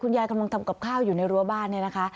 ยายกำลังทำกับข้าวอยู่ในรั้วบ้านเนี่ยนะคะ